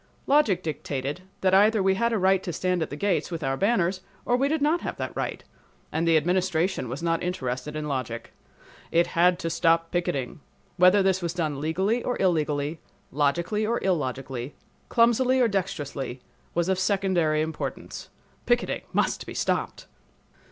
Logic dictated that either we had a right to stand at the gates with our banners or we did not have that right; but the Administration was not interested in logic. It had to stop picketing. Whether this was done legally or illegally, logically or illogically, clumsily or dexterously, was of secondary importance. Picketing must be stopped!